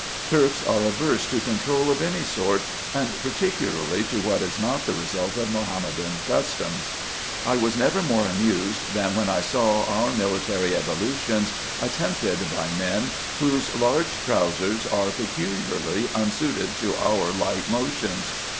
Turks are averse to control of any sort, and particularly to what is not the result of Mahommedan customs. I was never more amused, than when I saw our military evolutions attempted by men, whose large trowsers are peculiarly unsuited to our light motions.